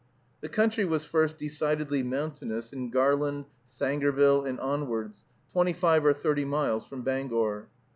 The country was first decidedly mountainous in Garland, Sangerville, and onwards, twenty five or thirty miles from Bangor.